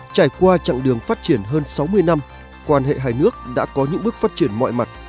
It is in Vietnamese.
trải qua chặng đường phát triển hơn sáu mươi năm quan hệ hai nước đã có những bước phát triển mọi mặt